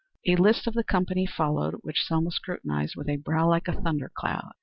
A list of the company followed, which Selma scrutinized with a brow like a thunder cloud.